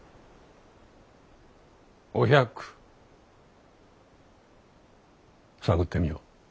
お百探ってみよう。